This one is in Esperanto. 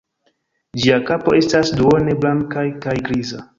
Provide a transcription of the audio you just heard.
Ĝia kapo estas duone blankaj kaj griza.